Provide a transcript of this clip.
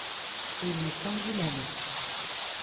Et il lui tendit la main.